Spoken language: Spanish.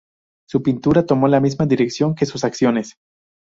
Su pintura tomó la misma dirección que sus acciones.